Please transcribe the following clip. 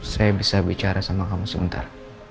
saya bisa bicara sama kamu sebentar